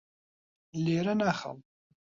لێرە ناخەوم.